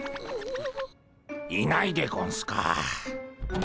いないでゴンスか。